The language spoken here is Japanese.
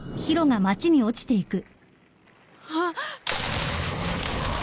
あっ！